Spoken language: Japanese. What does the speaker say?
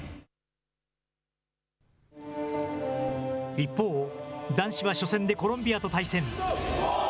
一方、男子は初戦でコロンビアと対戦。